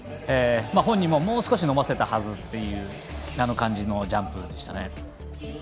本人ももう少し伸ばせたはずという感じのジャンプでしたね。